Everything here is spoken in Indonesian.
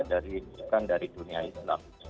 bukan dari dunia islam